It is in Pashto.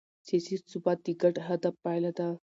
سیاسي ثبات د ګډ هدف پایله ده